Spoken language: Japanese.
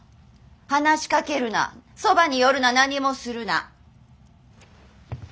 話しかけるなそばに寄るな何もするな。